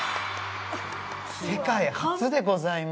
世界初でございます。